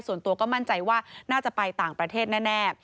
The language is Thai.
ส่วนตัวก็มั่นใจว่าน่าจะไปต่างประเทศแน่